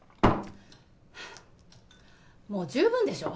もう十分でしょ。